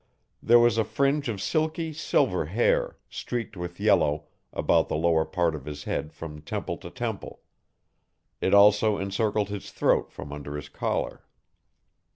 There was a fringe of silky, silver hair, streaked with yellow, about the lower part of his head from temple to temple. It also encircled his throat from under his collar.